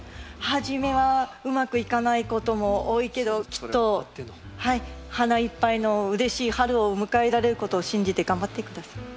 初めはうまくいかないことも多いけどきっと花いっぱいのうれしい春を迎えられることを信じて頑張って下さい。